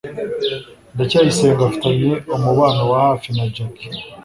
ndacyayisenga afitanye umubano wa hafi na jaki